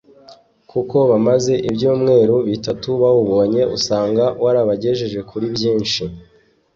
kuko bamaze ibyumweru bitatu bawubonye usanga warabagejeje kuri byinshi